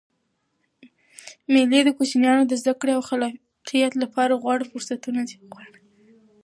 مېلې د کوچنيانو د زدکړي او خلاقیت له پاره غوره فرصتونه برابروي.